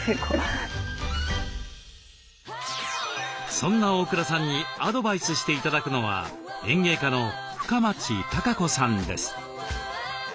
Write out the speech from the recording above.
そんな大倉さんにアドバイスして頂くのは園芸家の深町貴子さんです。